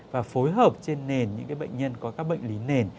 và phối hợp trên nền những bệnh nhân có các bệnh lý nền